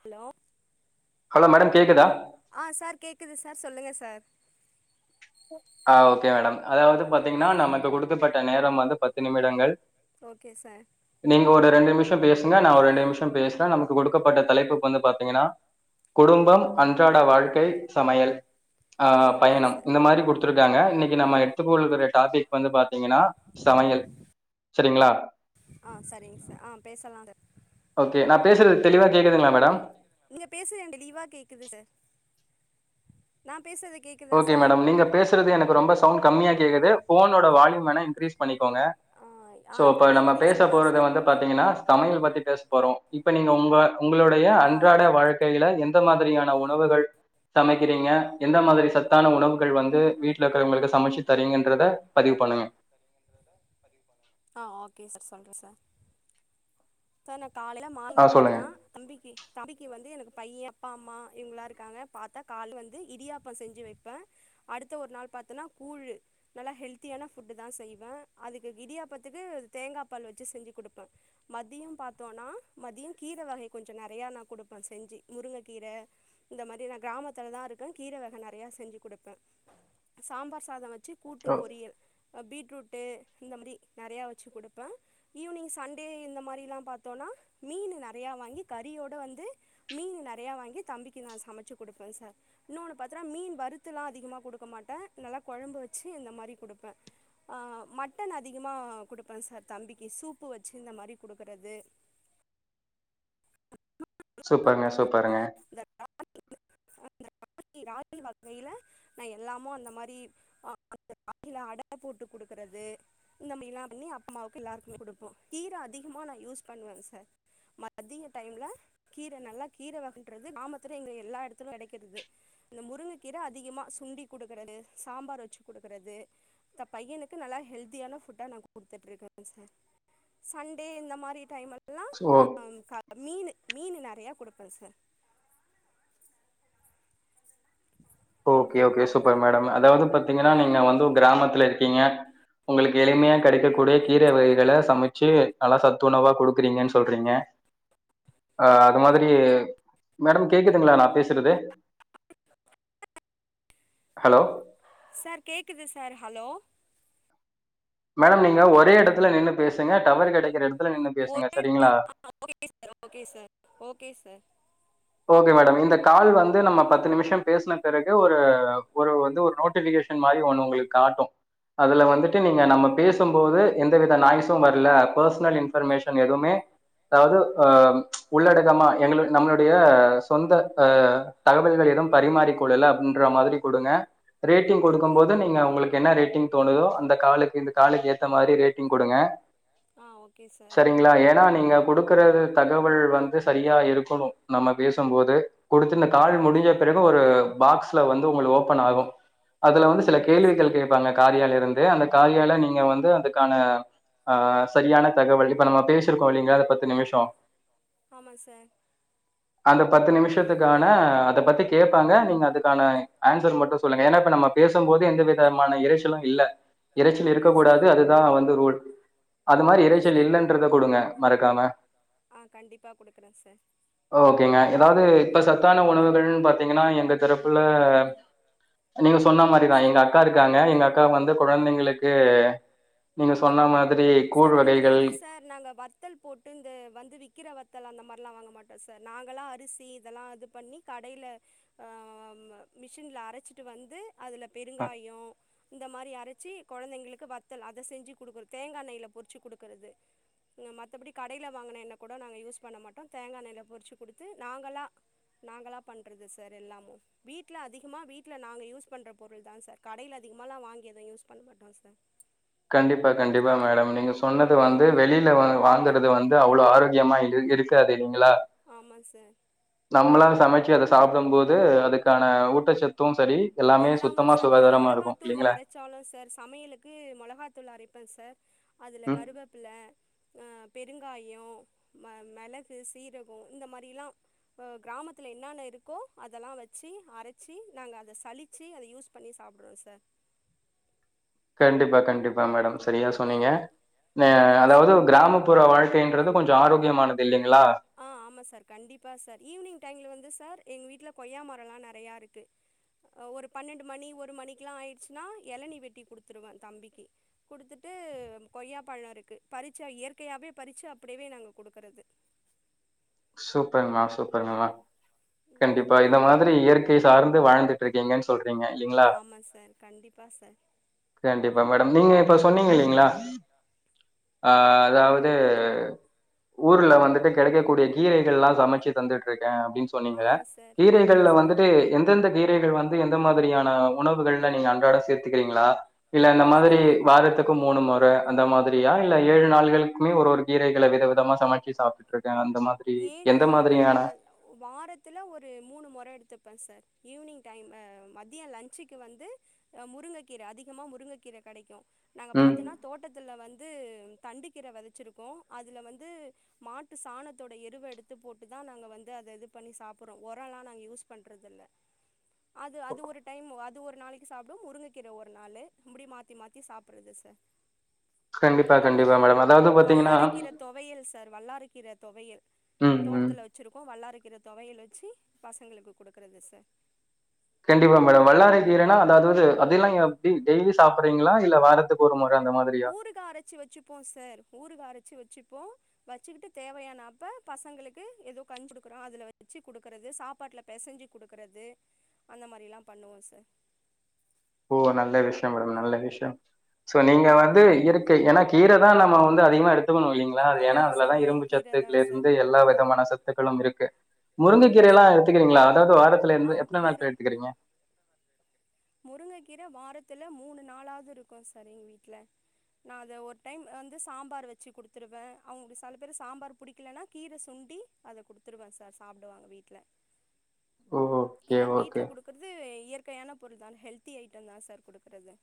Hello hello madam கேக்குதா ஆ sir கேக்குது சார் சொல்லுங்க சார் அ ஓகே மேடம் அதாவது பாத்தீங்கன்னா நமக்கு கொடுத்துப்பட்ட நேரம் வந்து பத்து நிமிடங்கள் ஓகே சார் நீங்க ஒரு ரெண்டு நிமிஷம் பேசுங்க நான் ஒரு ரெண்டு நிமிஷம் பேசறேன் நமக்கு கொடுக்கப்பட்ட தலைப்பு வந்து பாத்தீங்கன்னா குடும்பம் அன்றாட வாழ்க்கை சமையல் ஆ ஆஆ ஓகே பயணம் சார் இந்த மாரி கொடுத்துருக்காங்க இன்னைக்கு நாம எடுத்துக் கொள்ர டாபிக் வந்து பாத்தீங்கன்னா சமையல் செரிங்களா அ செரிங்க சார் அ பேசலாண்டு ஓகே நான் பேசுறது தெளிவா கேக்குதுங்களா மேடம் நீங்க பேசுறது தெளிவா கேக்குது சார் நா பேசுறது கேக்கு ஓகே மேடம் நீங்க பேசுறது எனக்கு ரொம்ப சவுண்ட் கம்மியா கேக்குது போனோட வால்யூம் வேணா இன்க்ரீஸ் பண்ணிக்கோங்க ஆ சோ இப்ப ஆல்ரெடி நம்ம பேச இங்கிலீஷ்ல தா போறது சார் வந்து இருக்கு பாத்தீங்கன்னா சமையல் பத்தி பேச போறோம் இப்ப நீங்க உங்க உங்களுடைய ஆ அன்றாட ஓகே வாழ்க்கையில எந்த மாதிரியான உணவுகள் சமக்கிறீங்க எந்த மாதிரி ச த்தான உணவுகள் வந்து வீட்ல இருக்கிறவங்களுக்கு சமைச்சு தருவீங்கன்றத பதிவு பண்ணுங்க ஆ ஓகே சார் சொல்றேன் சார் சார் நான் காலையில ஆ மார்னிங் சொல்லுங்க பாத்தேனா தம்பிக்கு தம்பிக்கு வந்து எனக்கு பையன் அப்பா அம்மா இவங்களாம் இருக்காங்க பாத்தா கால்லே வந்து இடியா ப்பம் செஞ்சு வப்பேன் அடுத்த ஒரு நாள் பாத்தேன்னா கூழ்ழு நல்லா ஹெல்த்தியான ஃபுட்டு தான் செய்வேன் அதுக்கு இடியாப்பத்துக்கு தேங்கா பால் வெச்சு செஞ்சு குடுப்பேன் மதியம் பாத்தோம்னா மதியம் கீரை வகை கொஞ்சம் நெறைய நான் கொடுப்பேன் செஞ்சு முருங்கை கீர இந்த மாரி நான் கிராமத்துல தான் இருக்கேன் கீரை வகை நெறைய செஞ்சு கொடுப்பேன் சாம்பார் சாதம் வச்சு ச்சு கூட்டு ஓ பொரியல் பீட்ரூட்டு இந்த மாரி நெறையா வச்சி குடுப்பேன் ஈவினிங் சண்டே இந்த மாரி லாம் பாத்தோம்னா மீனு நெறைய வாங்கி கறியோட வந்து மீனு நெறைய வாங்கி தம்பிக்கு நான் சமைச்சி குடுப்பேன் சார் இன்னொன்னு பாத்துரா மீன் வறுத்தலாம் அதிகமா குடுக்க மாட்டேன் நல்லா கொழம்பு வச்சி இந்த மாரி குடுப்பேன் ஆ மட்டன் அதிகமாக குடுப்பேன் சார் தம்பிக்கு சூப்பு வச்சி இந்த மாரி குடுப்பேன் க்கிறது சூப்பருங்க சூப்பருங்க [unintelligible] [unintelligible] வகயில நா எல்லாமோ அந்த மாரி ஆ அந்த காகில அட போட்டு குடுக்கறது இந்த மாரி எல்லா பண்ணி அம்மாவுக்கு எல்லாருக்குமே குடுப்போ கீர அதிகமா நா யூஸ் பண்ணுவே சார் மதிய டைம்ல கீர நல்லா கீர வகன்றது கிராமத்துல எங்க எல்லா எடத்துல கெடக்கிறது இந்த முருங்க கீர அதிகமா சுண்டி குடுக்கறது சாம்பார் வச்சி குடுக்கறது த பையனுக்கு நல்லா ஹெல்தியான ஃபுட்டா நா குடுத்துட்டு இருக்கே சார் சண் டே இந்த மாரி டைம்லலா ஓ ஆ மீனு மீனு நெறய குடுப்பேங் sir okay okay super madam அதாவது பாத்தீங்ன்னா நீங்க வந்து கிராமத்துல இருக்கீங்க ஒங்ளுக்கு எளிமையா கெடைக்க கூடிய கீர வகைகள சமச்சு நல்லா சத்துணவா குடுக்குறீங்கன்னு சொல்றீங்க அ அது மாதிரி மேடம் கேக்குதுங்ளா நா பேசுறது ஹலோ சார் கேக்குது சார் ஹலோ மேடம் நீங்க ஒரே எடத்துல நின்னு பேசுங்க டவர் கெடைக்கிற எடத்துல நின்னு பேசுங்க ஒரே இடத்துல சரிங்ளா okay sir okay sir okay madam இந்த கால் வந்து நம்ம பத்து நிமிஷோ பேசுன பெறகு ஒரு ஒரு வந்து ஒரு நோட்டிபிகேஷ னு மாறி ஒண்ணு ஒங்ளுக்கு காட்டு அதுல வந்துட்டு நீங்க நம்ம பேசுபோது எந்தவித நாய்ஸு வர்ல பர்சனல் இன் ஃபர்மேஷன் எதுமே அதாவுது அ உள்ளடக்கமா எங்ளுக்கு நம்மளு டைய சொந்த ஆ தகவல்கள் எதுவு பரிமாறிக்கொள்ளல பண்ற மாறி குடுங்க ரேட்டிங் குடுக்கு ஓகே போது நீங்க ஒங்ளுக்கு என்ன ரேட்டிங் தோணுதோ அந்த காலுக் இந்த காலுக்கு ஏத்த மாறி ரேட்டிங் குடுங்க ஆ ஓகே சார் செரிங்ளா ஏன்னா நீங்க குடுக் குற தகவல் வந்து சரியா இருக்கணு நம்ம பேசுபோது கொடுத்து இந்த ஆ கால் முடிஞ்ச பிறகு ஒரு பாக்ஸ்ல வந்து ஒங்ளு ஓபன் ஆகு அதுல ஆ வந்து சில ஓகே சார் கேள்விகள் கேப்பாங்க காரியால இருந்து அந்த காரியால நீங்க வந்து அதுக்கான ஆ சரியான தகவல் இப்ப நம்ம பேசிருக்கோ இல்லைங்ளா இந்த பத்து நிமிஷோ ஆமா சார் அந்த பத்து நிமிஷத்துக்கான அத பத்தி கேப்பாங்க நீங்க அதுக்கான ஆன்சர் மட்டு சொல்லுங்க ஏன்னா இப்ப நம்ம பேசுபோது எந்த விதமான இரைச்சலு இல்ல இரைச்சல் இருக்க ஓகே கூடாது சார் அதுதா வந்து ரூல் அது மாறி ஓகே இரைச்சல் சார் இல்லன்றத குடுங்க மறக்காம ஆ கண்டிப்பா குடுக்குறே சார் ஓகேங்க ஏதாவுது இப்ப சத்தான உணவுகள்ன்னு பாத்தீங்ன்னா எங்க தரப்புல நீங்க சொன்ன மாறிதா எங்க அக்கா இருக்காங்க எங்க அக்கா வந்து குழந்தைங்களுக்கு நீங்க சொன்ன மாதிரி கூழ் வகைகள் நாங்க வத்தல் போட்டு இந்த வந்து விக்கிற வத்தல் அந்த மாறிலா வாங்க மாட்டோ சார் நாங்களா அரிசி இதெல்லா இது பண்ணி கடைல அ மிஷின்ல அரச்சிட்டு வந்து அதுல அ பெருங்காயோ இந்த மாறி அரச்சு கெழந்தைங்களுக்கு வத்தல் அத செஞ்சு குடுக்றது தேங்காய் எண்ணெய்லே பொறிச்சு குடுக்கறது மத்தபடி கடைல வாங்குன எண்ண கூட நாங்க யூஸ் பண்ண மாட்டோ தேங்கா எண்ணய்ல பொறிச்சு குடுத்து நாங்களா நாங்களா பண்றது சார் எல்லாமு வீட்ல அதிகமா வீட்ல நாங்க யூஸ் பண்ற பொருள் தா சார் கடைல அதிகமலா வாங்கி எதுவு யூஸ் பண்ண மாட்டோ சார் கண்டிப்பா கண்டிப்பா மேடம் நீங்க சொன்னது வந்து வெளில வாங் வாங்குறது வந்து அவ்ளோ ஆரோகியமா இரு இருக்காது நீங்களா ஆமாம் சார் நம்மளா சமச்சு அத சாப்புடு போது அதுக்கான ஊட்டச்சத்து சரி எல்லாமே எல்லாமோ சுத்தமா சார் இந்த சுகாதாரமா இருக்கும் மொளகாத்தூள் இல்லைங்களா? அரச் சாலு சார் சமையலுக்கு மெளகாத்தூள் அரைப்பே சார் அதுல ம். கருவேப்புல அ பெருங்காயோ ம மெளகு சீரகோ இந்த மாறிலா அ கிராமத்தில என்னென்ன இருக்கோ அதெல்லா வச்சு அரச்சி நாங்க அத கழிச்சு அதை யூஸ் பண்ணி சாப்ட்றோம் சார் கண்டிப்பா கண்டிப்பா மேடம் சரியா சொன்னீங்க ஓகே சார் அதாவது கிராம ப்புற வாழ்கைன்றது கொஞ்சோ ஆரோக்கியமானது இல்லைங்களா ஆ ஆமா சார் கண்டிப்பா சார் ஈவ்னிங் டைம்ல வந்து சார் எங்க வீட்ல கொய்யா மரம் எல்லாம் நெறையா இருக்கு ஒரு பன்னண்டு மணி ஒரு மணிக்லா ஆயிடுச்சுன்னா எளநீ வெட்டி கொடுத்துருவேன் தம்பிக்கு குடுத்துட்டு கொய்யா பழம் இருக்கு பறிச்சா இயற்கையாகவே பறிச்சி அப்டியவே நாங்க குடுக்கறது சூப்பர்மா சூப்பர்ங்கமா ம் கண்டிப்பா இந்த தேங்க்யூ மாதிரி இயற்கை சார்ந்து வாழ்ந்துட்டு இருக்கீங்கன்னு சொல்றீங்க இல்லீங்களா ஆமா சார் கண் ண்டிப்பா சார் கண்டிப்பா மேடம் நீங்க இப்ப சொன்னீங்க இல்லைங்களா அ அதாவது ஊர்ல வந்துட்டு கெடைக்கக்கூடி தெல்லா சமச்சு தந்துட்டு இருக்க அப்டின்னு சொன்னீங்க ஆமா சார் ஆமா கீரைகள்ல சார் வந்துட்டு எந்தெந்த கீரைகள் வந் து எந்த மாதிரியான உணவுகள் நீங்க அன்றாட சேத்துக்றீங்களா இல்ல இந்த மாதிரி அதிகமா வாரத்துக் மூணு முற அந்த மாதிரியா இல்ல ஏழு நாள்களுக்குமே ஒரு ஒரு கீரைகள வித விதமா சமச்சி சாப்ட்டுட்டு இருக்க அந்த மா ஏழு நாளைக்குன் அப்டில்ல வாரத்துல ஒரு மூணு மெற எடுத்துப்ப சார் ஈவ்னிங் டைம் அ மதிய லன்ச்சுக்கு வந்து முருங்கக்கீர அதிகமா முருங்கக்கீர கெடைக்கோ நாங்க ம். பாத்தனா தோட்டத்துல வந்து தண்டுக்கீர வதச்சிருக்கோ அதுல வந்து மாட்டு சாணத் தோட எருவ எடுத்து போட்டு தா நாங்க வந்து அத இது பண்ணி சாப்புட்றோம் ஒரலாம் நாங்க யூஸ் பண்றது இல்லை [inaudible] அது அது ஒரு டைம் அது ஒரு நாளைக் க்கி சாப்புடும் முருங்ககீர ஒரு நாளு இப்டி மாத்தி மாத்தி சாப்பறது சார் கண்டிப்பா, கண்டிப்பா அப்றம் மேடம். அதாவது பார்த்தீங்கன்னா வல்லரைகீர தொவையல் சார் வல்லாறக் கீற தொவையல் ம், ம். தோட்டத்துல வச்சிருக்கோ வல்லாறக் கீற தொவையல் வச்சி பசங்களுக்கு குடுக்கறது சார் கண்டிப்பா மேடம் வல்லரை கீரனா அதாவது அதெல்லா எப்டி டெய்லி சாப்பறீங்களா இல்ல வாரத்துக்கு ஒரு முற அந்த மாரியா ஊறுக்கா அரச்சி வச்சு போம் சார் ஊருக்கா அரச்சி வச்சுப்போ வச்சுக்கிட்டு தேவையானப்ப பசங்களுக்கு ஏதோ [unintelligible] கொடுக்குறோம் அதுல வச்சு குடுக்கறது சாப்பாட்ல பேசஞ்சி குடுக்குறது அந்த மாரிலா பண்ணுவோ சார் ஓ நல்ல விஷயம் மேடம் நல்ல விஷயம் சோ நீங்க வந்து இயற்கை ஏன்னா கீர தான் நம்ம வந்து அதிகமா எடுத்துக்கணும் இல்லைங்ளா அது ஏனா ஆமா சார் அதுலதா மெயின் இரும்புச்சத் கீர தா சத்துக்கலே சார் இருந்து எல்லா விதமான சத்துக்களும் இருக்கு ஆமா முருங்கக்கீர எல்லா சார் எத்துக்கிறீகளா அதாவது வாரத்துல ஆ இருந்து எத்தன நாள் ல எத்துக்கிறீங்க முருங்க கீர வாரத்துல மூணு நாளாவது இருக்கும் சார் எங்க வீட்ல நான் அதை ஒரு டைம் வந்து சாம்பார் வச்சு கொடுத்துருவேன் அவங்களுக்கு சில பேர் சாம்பார் பிடிக்கலன்னா கீரை சுண்டி அத கொடுத்துருவ சார் சாப்டுவாங்க வீட்ல ஓகே, எல்லாம் ஓகே. வீட்ல குடுக்குறது இயற்கையான பொருள் தான் ஹெல்தி ஐட்டம் தான் சார் குடுக்கறது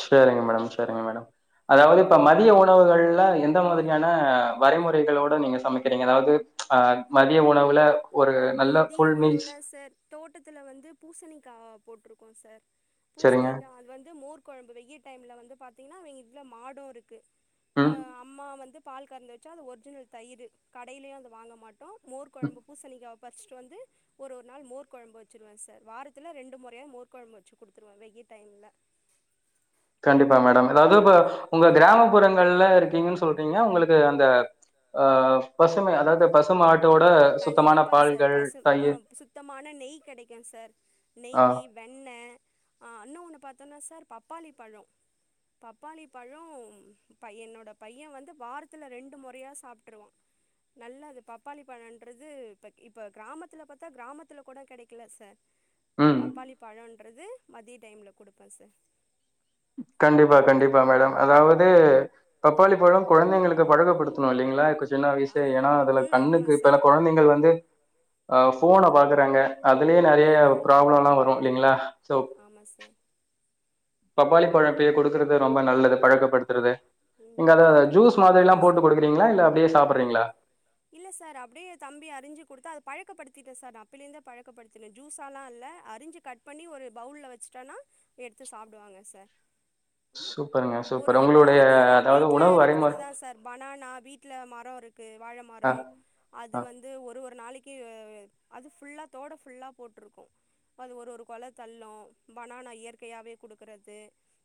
சரிங்க மேடம் சரிங்க மேடம் அதாவது இப்ப மதிய உணவுகள்ல எந்த மாதிரியான வரைமுறைகளோட நீங்க சமைக்கிறீங்க அதாவது ஆ மதிய உணவுல ஆ ஒரு நல்ல ஃபுல் மீல்ஸ் தோட்டத்துல வந்து பூசணிக்கா போட்டிருக்கோ சார் சரிங்க. பூசணிக்கா அது வந்து மோர் கொழம்பு வெய டைம்ல வந்து பாத்தீங்கன்னா அவங்க வீட்ல மாடு இருக்கு ம் அம்மா வந்து பால் கறந்து வெச்சா அது ஒரிஜினல் தயிரு கடையிலயு அது வாங்க மாட்டோ மோர் ம் கொழம்பு பூசணிக்கா பரிச்சிட்டு வந்து ஒரு ஒரு நாள் மோர் கொழம்பு வெச்சுருவே சார் வாரத்துல ரெண்டு மொறையாது மோர் கொழம்பு வெச்சு குடுத்துருவே வெய டைம்ல கண்டிப்பா மேடம் அதாவது இப்ப உங்க கிராமப்புறங்கள்ல இருக்கீங்கன்னு சொல்றீங்க உங்களுக் கு அந்த ஆ பசுமை அதாவது பசுமாட்டோட சுத்தமான கண்டிப்பா சார் பால்கள், பசு ஆ தயிர் சுத்தமான நெய் கெடைக்கு சார் ஆ நெய்யி வெண்ண ஆ இன்னு ஒன்னு பாத்தோனா சார் பப்பாளி பழோ பப்பாளி பழோ ப என்னுடைய பைய வந்து வாரத்தில ரெண்டு மொறையா சாப்ட்டுருவா நல்லது பப் பப்பாளி பழன்றது இப்ப இப்ப கிராமத்துல பாத்தா கிராமத்துல கூட கெடைக்கல சார் ம் பப்பாளி பழன்றது மதிய டைம்ல குடுப்பே சார் கண்டிப்பா கண்டிப்பா மேடம் அதாவது பப்பாளி பழம் குழந்தைங்களுக்கு பழகப்படுத்த [unintelligible] இல்லிங்களா இப்ப சின்ன வயசுலே ஆம் ஏன்னா அதுல ம் ஆமா கண்ணுக்கு இப்பெல சார் கொழந்தைகள் வந்து ஆ போன பாக்குறாங்க அதுலயே நெறைய ம் பிராப்ளம்ல்லா வரு இல்லிங்களா சோ ஆமா சார் பப்பாளி பழோ இப்பயே குடுக்கறது ரொம்ப நல்லது பழக்கப்படு து ம் நீங்க அத பப்பாளி பழல்லா ஜூஸ் மாதிரி குடுப்பே எல்லா சார் போட்டு குடுக்கறீங்களா இல்ல அப்டியே சாப்ட்றீங்களா இல்ல சார் அப்படியே தம்பி அறிஞ்சு குடுத்தா அத பழக்கப்படுத்திட்டே சார் நா அப்பல இருந்த பழக்கப்படுத்தனே ஜூஸல்லா இல்ல அறிஞ்சு கட் பண்ணி ஒரு பவுல்ல வெச்சுட்டோனா எடுத்து சாப்டுவாங்க சார் சூப்பருங்க ஒரு சூப்பர். ஒரு உங்களுடைய நாளைக்கி எதாவது அதாவது வீட்ல உணவு வரைமுறை இருக்கிறது தா சார் பனானா வீட்ல மரோ இருக்கு வாழ ஆ மரோ அது ஆ வந்து ஒரு ஒரு நாளைக் கி அது ஃபுல்லா தோட்ட ஃபுல்லா போட்டிருக்கோ அது ஒரு ஒரு கொல தள்ளு பனானா இயற்கையாகவே குடுக்கிறது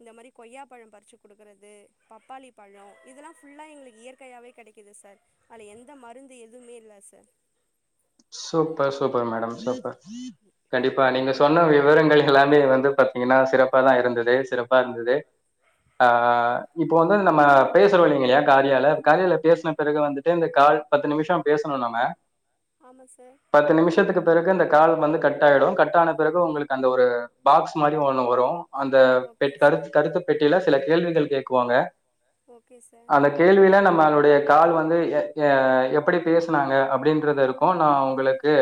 இந்த மாரி கொய்யாப்பழோ பறிச்சி குடுக்கிறது பப்பாளி பழோ இதெல்லா ஃபுல்லா எங்களுக்கு இயற்கையாகவே கெடைக்கிது சார் அதுல எந்த மருந்து எதுமே இல்ல sir super super madam super கண்டிப்பா நீங்க சொன்ன விவரங்கள் எல்லாமே வந்து பாத்தீங்கன்னா சிறப்பாதா இருந்தது சிறப்பா இருந்தது ஆ இப்போ வந்து நம்ம பேசுறோ இல்லிங்க இல்லியா காரியால காரியால பேசின பிறகு வந்துட்டு இந்த கால் பத்து நிமிஷோ பேசணு நம்ம ஆமா சார் பத்து நிமிஷத்துக்கு பிறகு இந்த கால் வந்து கட் ஆயிடு கட் ஆன பிறகு உங்களுக்கு அந்த ஒரு பாக்ஸ் மாரி ஒன்னு வரு அந்த ஓகே பெட் சார் கருத்து கருத்து பெட்டியில சில கேள்விகள் கேக்குவாங்க ஓகே சார் அந்த கேள்வியில நம்மளுடைய கால் வந்து ஆ எப்படி பேசினாங்க அப்படின்றது இருக் கு நா உங்களுக்கு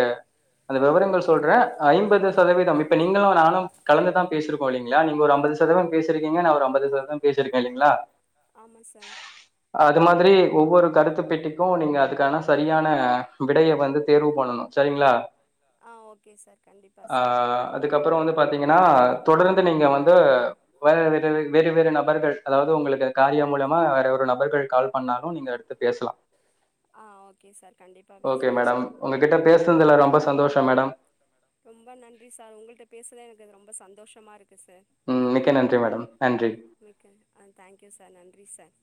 அந்த விவரங்கள் சொல்றே ஐம்பது சதவீதம் இப்ப நீங்களு நானு கலந்துதா பேசிருக் கோ இல்லீங்ளா நீங்க ஒரு ஐம்பது சதவீதோ பேசி இருக்கீங்க நா ஒரு ஐம்பது சதவீதோ பேசி இருக்கே இல்லீங்ளா ஆமா சார் அது மாதிரி ஒவ்வொரு கருத்து பெட்டிக்கு நீங்க அதுக்கான சரியான விடையை வந் து தேர்வு பண்ணணு செரிங்களா ஆ ஓகே சார் கண்டிப்பா சார் அதுக்கப்பறோ வந்து பாத்தீங்கன்னா தொடர்ந்து நீங்க வந்து வேற வேறு வே வேறு வேறு நபர்கள் அதாவது உங்களுக்கு காரியா மூலமா வேற ஒரு நபர்கள் கால் பண்ணாலு நீங்க எடுத்து பேசலா ஆ ஓகே சார் கண்டிப்பா ஓகே பேசுறே மேடம் சார் உங்ககிட்ட பேசுன்தல ஓகே ரொம்ப சந்தோஷம் மேடம் ரொம்ப நன்றி சார் உங்கள்ட்ட பேசுத எனக்கு அது ரொம்ப சந்தோஷமா இருக்கு சார் ம் மிக்க நன்றி மேடம் நன்றி மிக்க ஆ தேங்க்யூ சார் நன்றி சார்